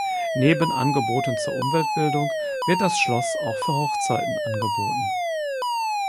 Neben Angeboten zur Umweltbildung wird das Schloss auch für Hochzeiten angeboten.